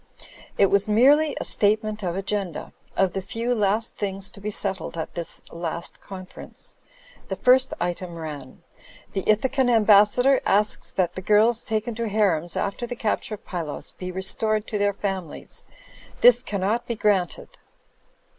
It was merely a statement of agenda; of the few last things to be settled at this last conference. The first item ran: "The Ithacan Ambassador asks that the girls taken to harems ^fter the capture of Pylos be restored to their families. This cannot be granted."